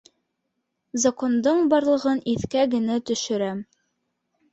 Закондың барлығын иҫкә генә төшөрәм